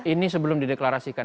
ini sebelum dideklarasikan